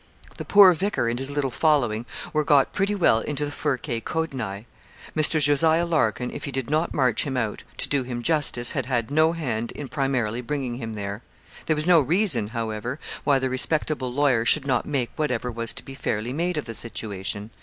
The poor vicar and his little following were got pretty well into the Furcae Caudinae. Mr. Jos. Larkin, if he did not march him out, to do him justice, had had no hand in primarily bringing him there. There was no reason, however, why the respectable lawyer should not make whatever was to be fairly made of the situation.